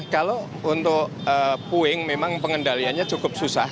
kalau untuk puing memang pengendaliannya cukup susah